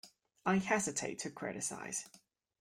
I hesitate to criticise.